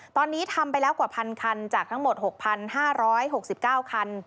ตอนนี้ทำไปแล้วกว่า๑๐๐คันจากทั้งหมด๖๕๖๙คัน